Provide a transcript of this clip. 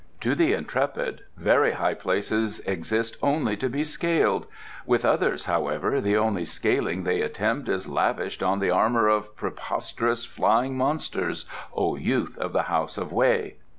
"To the intrepid, very high places exist solely to be scaled; with others, however, the only scaling they attempt is lavished on the armour of preposterous flying monsters, O youth of the House of Wei!"